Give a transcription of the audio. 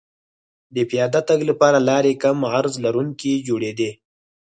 د پیاده تګ لپاره لارې کم عرض لرونکې جوړېدې